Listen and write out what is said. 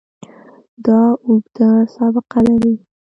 دا اوږده سابقه لري.